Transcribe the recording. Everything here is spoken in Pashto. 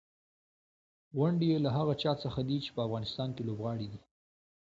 ونډې یې له هغه چا څخه دي چې په افغانستان کې لوبغاړي دي.